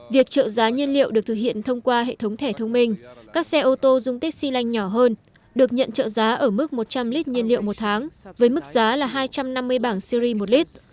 việc trợ giá nhiên liệu được thực hiện thông qua hệ thống thẻ thông minh các xe ô tô dung tích xy lanh nhỏ hơn được nhận trợ giá ở mức một trăm linh lít nhiên liệu một tháng với mức giá là hai trăm năm mươi bảng siri một lít